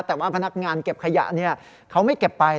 แต่ว่าพนักงานเก็บขยะเขาไม่เก็บไป